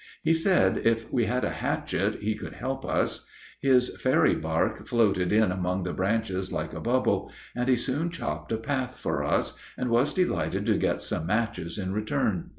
He said if we had a hatchet he could help us. His fairy bark floated in among the branches like a bubble, and he soon chopped a path for us, and was delighted to get some matches in return.